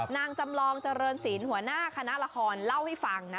จำลองเจริญศีลหัวหน้าคณะละครเล่าให้ฟังนะ